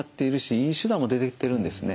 いい手段も出てきているんですね。